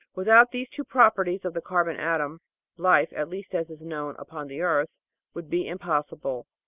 Without these two properties of the carbon atom, life, at least as it is known upon the earth, would be impossible."